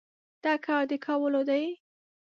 دا کار د کولو دی؟